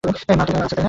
মা তো আছে না?